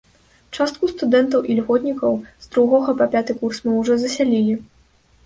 Частку студэнтаў-ільготнікаў з другога па пяты курс мы ўжо засялілі.